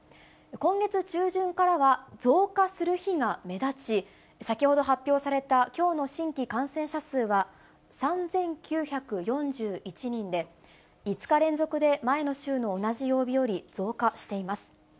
今月中旬からは、増加する日が目立ち、先ほど発表されたきょうの新規感染者数は３９４１人で、５日連続で前の週の同じ曜日より増加しています。